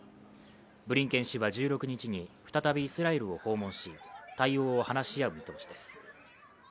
ブリンケン氏は１６日に再びイスラエルを訪問し対応を話し合う見通しです。